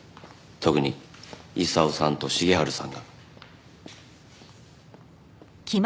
特に功さんと重治さんが。